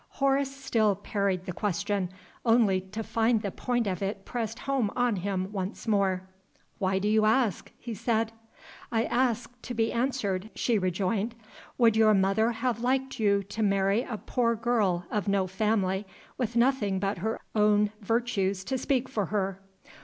Horace still parried the question only to find the point of it pressed home on him once more. "Why do you ask?" he said. "I ask to be answered," she rejoined. "Would your mother have liked you to marry a poor girl, of no family with nothing but her own virtues to speak for her?"